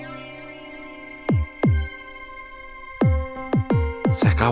tidak ada yang bisa mengingatmu